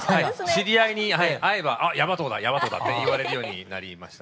知り合いに会えば「あっヤバ藤だヤバ藤だ」って言われるようになりましたね。